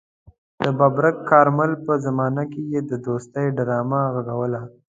د ببرک کارمل په زمانه کې يې د دوستۍ ډرامه غږوله.